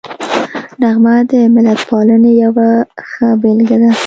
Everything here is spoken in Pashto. نغمه د ملتپالنې یوه ښه بېلګه ده